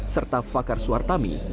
serta fakar suartami